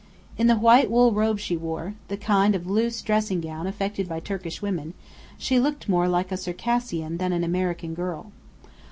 In the white wool robe she wore the kind of loose dressing gown affected by Turkish women she looked more like a Circassian than an American girl.